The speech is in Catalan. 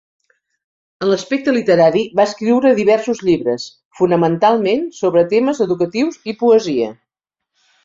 En l'aspecte literari va escriure diversos llibres, fonamentalment sobre temes educatius i poesia.